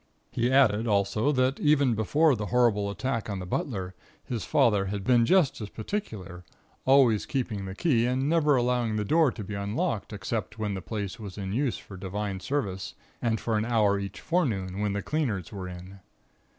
He added, also, that even before the horrible attack on the butler his father had been just as particular, always keeping the key and never allowing the door to be unlocked except when the place was in use for Divine Service, and for an hour each forenoon when the cleaners were in.